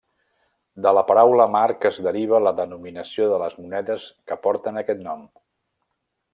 De la paraula marc és deriva la denominació de les monedes que porten aquest nom.